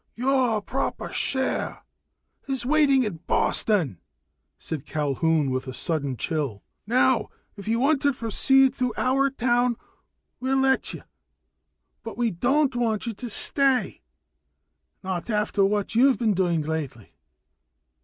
"Your proper share is waiting in Boston," said Culquhoun with a sudden chill. "Now, if you want to proceed through our town, we'll let you; but we don't want you to stay. Not after what you've been doing lately."